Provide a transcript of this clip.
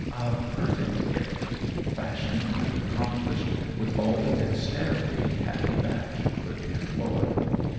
A perfect gift: fashioned and accomplished with all the dexterity Pattie Batch could employ.